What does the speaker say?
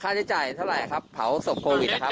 ใช้จ่ายเท่าไหร่ครับเผาศพโควิดนะครับ